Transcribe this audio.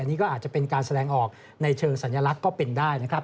นี่ก็อาจจะเป็นการแสดงออกในเชิงสัญลักษณ์ก็เป็นได้นะครับ